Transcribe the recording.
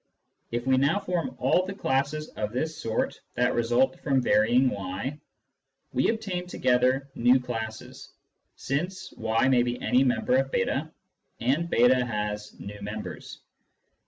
( If we now form all the classes of this sort that result from varying y, we obtain altogether v classes, since y may be any member of j3, and jS has v members.